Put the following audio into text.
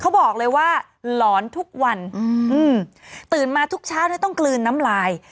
เขาบอกเลยว่าหลอนทุกวันอืมตื่นมาทุกเช้าเนี่ยต้องกลืนน้ำลาย